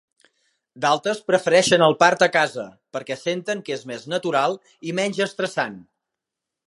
D'altres prefereixen el part a casa perquè senten que és més natural i menys estressant.